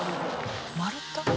丸太？